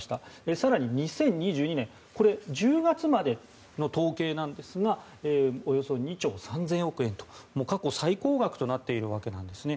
更に２０２２年１０月までの統計なんですがおよそ２兆３０００億円と過去最高額となっているわけなんですね。